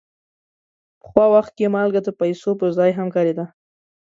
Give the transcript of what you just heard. پخوا وخت کې مالګه د پیسو پر ځای هم کارېده.